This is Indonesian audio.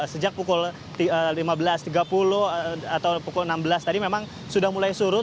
sejak pukul lima belas tiga puluh atau pukul enam belas tadi memang sudah mulai surut